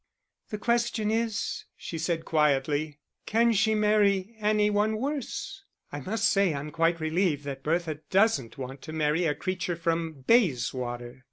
"The question is," she said quietly, "can she marry any one worse? I must say I'm quite relieved that Bertha doesn't want to marry a creature from Bayswater."